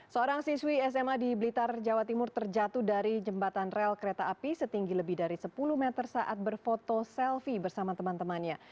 seorang siswi sma di blitar jawa timur terjatuh dari jembatan rel kereta api setinggi lebih dari sepuluh meter saat berfoto selfie bersama teman temannya